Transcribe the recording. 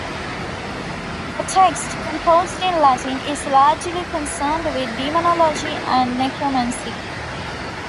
The text, composed in Latin, is largely concerned with demonology and necromancy.